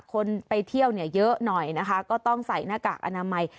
คนไปเที่ยวเนี่ยเยอะหน่อยนะคะก็ต้องใส่หน้ากากอนามัย